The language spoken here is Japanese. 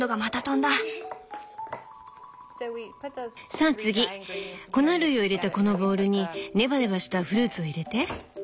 さあ次粉類を入れたこのボウルにネバネバしたフルーツを入れて。